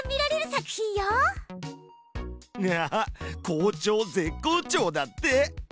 「校長絶好調」だって。